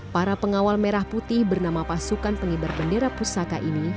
para pengawal merah putih bernama pasukan pengibar bendera pusaka ini